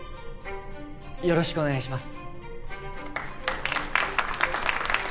よろしくお願いします。